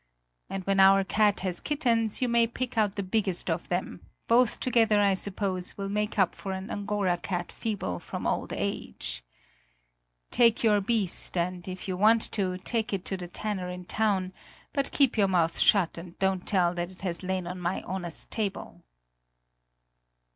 And when our cat has kittens, you may pick out the biggest of them; both together, I suppose, will make up for an Angora cat feeble from old age! Take your beast and, if you want to, take it to the tanner in town, but keep your mouth shut and don't tell that it has lain on my honest table."